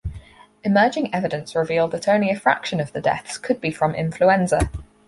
Emerging evidence revealed that only a fraction of the deaths could be from influenza.